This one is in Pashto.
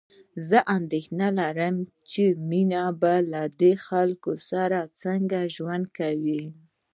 زه اندېښنه لرم چې مينه به له دې خلکو سره څنګه ژوند کوي